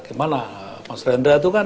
gimana mas rendra itu kan